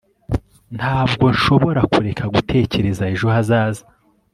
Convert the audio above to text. ntabwo nshobora kureka gutekereza ejo hazaza